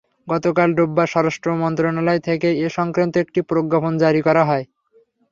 গতকাল রোববার স্বরাষ্ট্র মন্ত্রণালয় থেকে এ-সংক্রান্ত একটি প্রজ্ঞাপন জারি করা হয়।